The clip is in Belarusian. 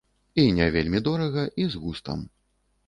І не вельмі дорага, і з густам.